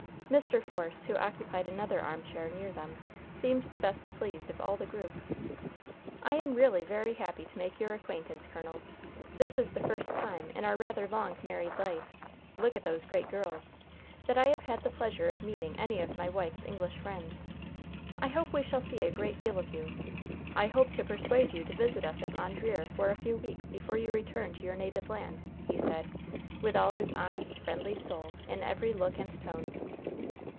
Mr. Force, who occupied another armchair near them, seemed the best pleased of all the group. "I am really very happy to make your acquaintance, colonel. This is the first time in our rather long married life look at those great girls! that I have had the pleasure of meeting any of my wife's English friends. I hope we shall see a great deal of you. I hope to persuade you to visit us at Mondreer for a few weeks before you return to your native land," he said, with all his honest, friendly soul in every look and tone.